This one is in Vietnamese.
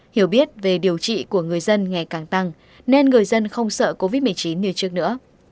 hiểu biết về điều trị của người dân ngày càng tăng nên người dân không sợ covid một mươi chín như trước nữa